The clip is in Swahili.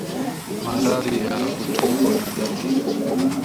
Maradhi ya kutokwa na damu